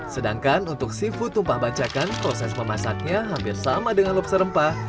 sedangkan untuk seafood tumpah bancakan proses memasaknya hampir sama dengan lobster rempah